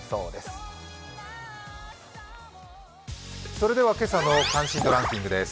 それでは、今朝の関心度ランキングです。